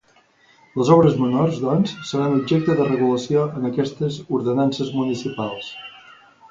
Les obres menors, doncs, seran objecte de regulació en aquestes ordenances municipals.